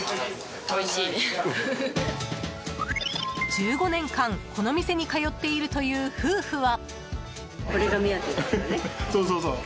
１５年間この店に通っているという夫婦は。